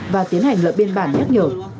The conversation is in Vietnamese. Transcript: và tiến hành lợi biên bản nhắc nhở